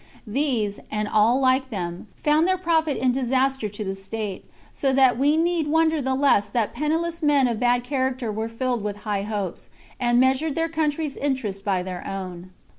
Th.'bse, and all like them, found their profit in disaster to the state, so that we need wonder the less that penniless men of bad character we:e filled with high hopes, and measured their country's interests by their own.